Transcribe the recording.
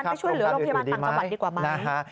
ไปช่วยเหลือโรงพยาบาลต่างจังหวัดดีกว่าไหม